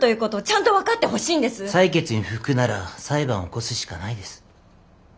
裁決に不服なら裁判を起こすしかないです。